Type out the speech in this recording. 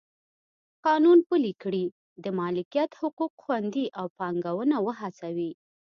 قانون پلی کړي د مالکیت حقوق خوندي او پانګونه وهڅوي.